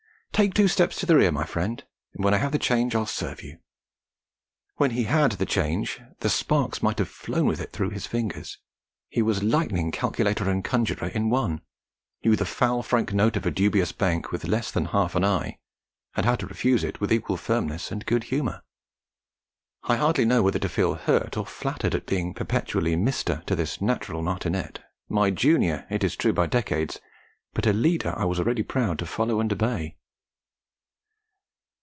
'Take two steps to the rear, my friend, and when I have the change I'll serve you!' When he had the change, the sparks might have flown with it through his fingers; he was lightning calculator and conjuror in one, knew the foul franc note of a dubious bank with less than half an eye, and how to refuse it with equal firmness and good humour. I hardly knew whether to feel hurt or flattered at being perpetually 'Mr.' to this natural martinet, my junior it is true by decades, but a leader I was already proud to follow and obey.